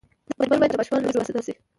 درمل باید له ماشومانو لرې وساتل شي.